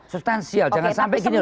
substansial jangan sampai gini